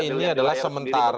ini adalah sementara